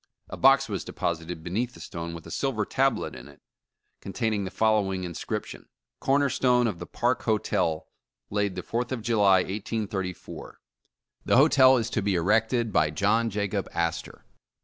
A box was de posited beneath the stone with a silver tablet in it, con taining the following inscription :* CORNER STONE OF THE PARK HOTEL Laid the 4th of July, 1834, The Hotel is to be erected by JOHN JACOB ASTOR.